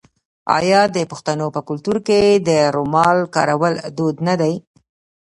آیا د پښتنو په کلتور کې د رومال کارول دود نه دی؟